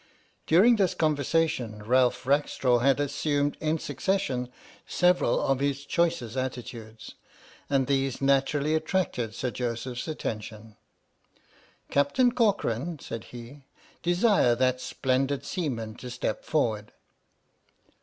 During this conversation, Ralph Rackstraw had assumed in succession several of his choicest atti tudes, and these naturally attracted Sir Joseph's attention. "Captain Corcoran," said he, "desire that splendid seaman to step forward."